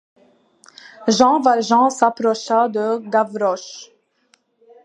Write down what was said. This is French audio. Jean Valjean s'approcha de Gavroche.